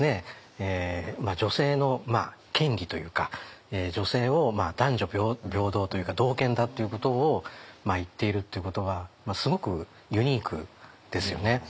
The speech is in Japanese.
女性の権利というか女性を男女平等というか同権だっていうことを言っているってことはすごくユニークですよね。